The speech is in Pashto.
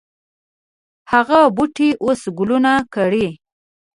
هغه بوټی اوس ګلونه کړي